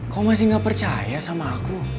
kau masih gak percaya sama aku